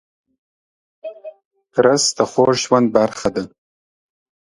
رس د خوږ ژوند برخه ده